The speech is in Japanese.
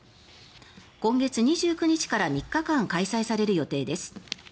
今月２９日から３日間開催される予定です。